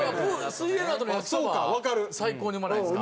水泳のあとの焼きそば最高にうまないですか？